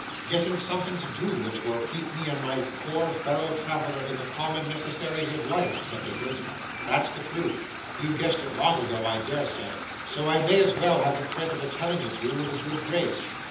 'Getting something to do which will keep me and my poor fellow traveller in the common necessaries of life,' said Nicholas. 'That's the truth. You guessed it long ago, I dare say, so I may as well have the credit of telling it you with a good grace.